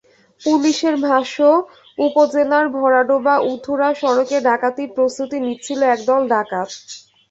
পুলিশের ভাষ্য, উপজেলার ভরাডোবা উথুরা সড়কে ডাকাতির প্রস্তুতি নিচ্ছিল একদল ডাকাত।